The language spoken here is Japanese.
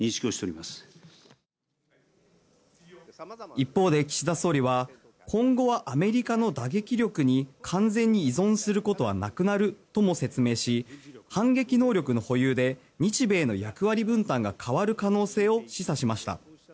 一方で、岸田総理は今後はアメリカの打撃力に完全に依存することはなくなるとも説明し反撃能力の保有で日米の役割分担が変わる可能性を示唆しました。